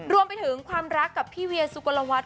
รวมไปถึงความรักกับพี่เวียสุกลวัฒน